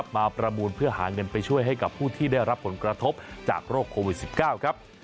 ประมูลเพื่อหาเงินไปช่วยให้กับผู้ที่ได้รับผลกระทบจากโรคโควิด๑๙ครับ